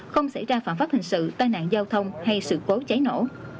không xảy ra phạm pháp hình sự tai nạn giao thông hay sự cố cháy nổ